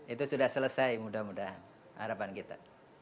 itu sudah selesai mudah mudahan harapan kita